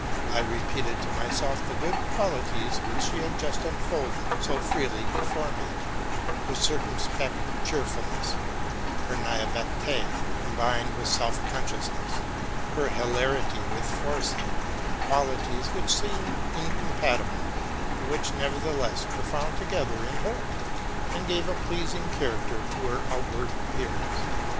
I repeated to myself the good qualities which she had just unfolded so freely before me, — her circumspect cheerfulness, her navveté combined with self consciousness, her hilarity with foresight, — qualities which seem incompatible, but which nevertheless were found together in her, and gave a pleasing character to her outward appearance.